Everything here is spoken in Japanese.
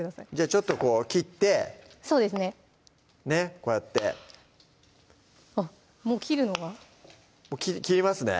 ちょっとこう切ってそうですねこうやってあっもう切るのが切りますね